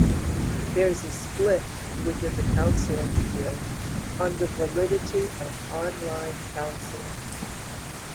There is a split within the counseling field on the validity of online counseling.